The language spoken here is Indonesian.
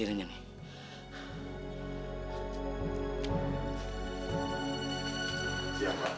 selamat siang pak